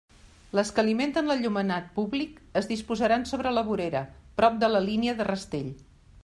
Les que alimenten l'enllumenat públic es disposaran sobre la vorera, prop de la línia de rastell.